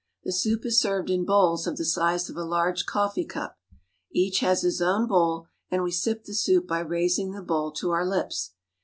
The soup is served in bowls of the size of a large coffee cup. Each has his own bowl, and we sip the soup by raising the bowl to our lips.